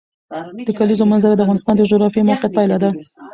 د کلیزو منظره د افغانستان د جغرافیایي موقیعت پایله ده.